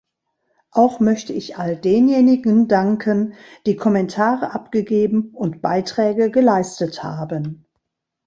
Auch möchte ich all denjenigen danken, die Kommentare abgegeben und Beiträge geleistet haben.